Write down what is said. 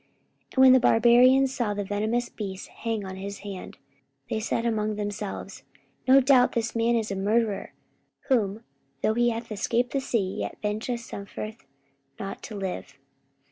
44:028:004 And when the barbarians saw the venomous beast hang on his hand, they said among themselves, No doubt this man is a murderer, whom, though he hath escaped the sea, yet vengeance suffereth not to live.